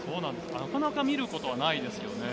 なかなか見ることはないですけどね。